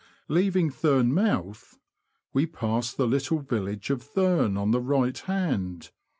Leaving Thurne Mouth, we pass the little village of Thurne on the right hand.